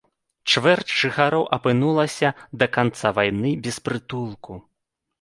Чвэрць жыхароў апынулася да канца вайны без прытулку.